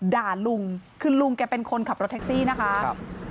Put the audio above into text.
ด่าลุงคือลุงแกเป็นคนขับรถแท็กซี่นะคะ